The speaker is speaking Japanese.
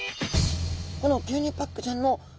この牛乳パックちゃんの底